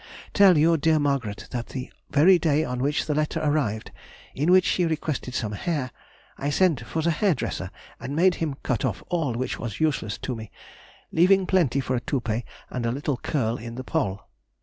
Tell your dear Margaret that the very day on which the letter arrived, in which she requested some hair, I sent for the hair dresser and made him cut off all which was useless to me, leaving plenty for a toupee and a little curl in the poll.